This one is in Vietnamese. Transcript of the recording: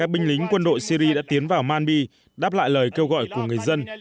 binh lính quân đội syri đã tiến vào manbi đáp lại lời kêu gọi của người dân